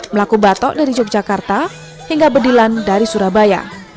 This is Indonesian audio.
melaku batok dari yogyakarta hingga bedilan dari surabaya